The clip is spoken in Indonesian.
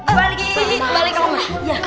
eh balik balik ke kamar